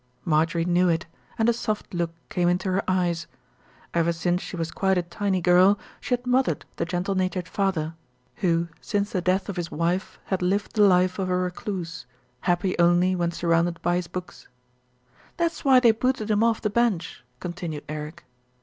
Marjorie knew it, and a soft look came into her eyes. Ever since she was quite a tiny girl she had "mothered" the gentle natured father, who, since the death of his ERIC STANNARD PROMISES SUPPORT 127 wife, had lived the life of a recluse, happy only when surrounded by his books. "That's why they booted him off the bench," con tinued Eric.